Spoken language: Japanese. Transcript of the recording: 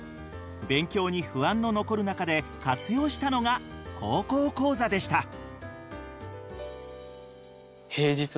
勉強に不安の残る中で活用したのが「高校講座」でした。